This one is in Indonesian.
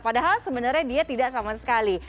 padahal sebenarnya dia tidak sama sekali